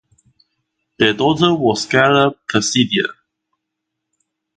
Their daughter was Galla Placidia.